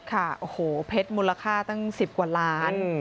ค่ะโอ้โหเพชรมูลค่าตั้ง๑๐กว่าล้าน